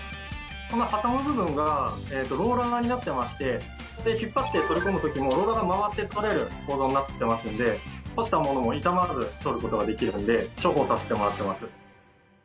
挟む部分がローラーになっていまして引っ張って取り込む時もローラーが回って取れる構造になっていますので干したものも傷まず取ることができるので重宝させてもらってます。